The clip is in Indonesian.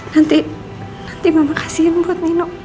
nanti nanti mama kasihin buat minum